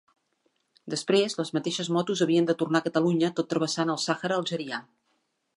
Després, les mateixes motos havien de tornar a Catalunya tot travessant el Sàhara algerià.